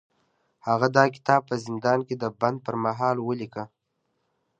هغه دا کتاب په زندان کې د بند پر مهال ولیکه